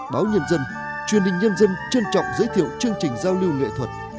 báo nhân dân truyền hình nhân dân trân trọng giới thiệu chương trình giao lưu nghệ thuật